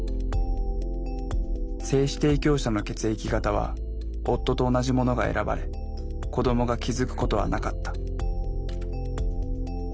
精子提供者の血液型は夫と同じものが選ばれ子どもが気付くことはなかった。